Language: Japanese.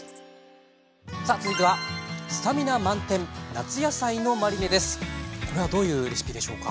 さあ続いてはこれはどういうレシピでしょうか？